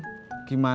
jadi gimana cara